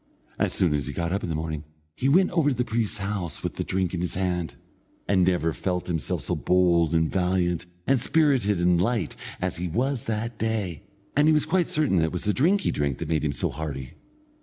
As soon as he got up in the morning, he went over to the priest's house with the drink in his hand, and he never felt himself so bold and valiant, and spirited and light, as he was that day, and he was quite certain that it was the drink he drank which made him so hearty.